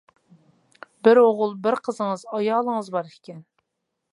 — بىر ئوغۇل، بىر قىزىڭىز، ئايالىڭىز بار ئىكەن.